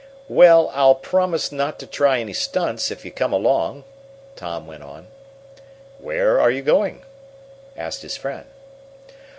"Well, I'll promise not to try any stunts if you come along," Tom went on. "Where are you going?" asked his friend.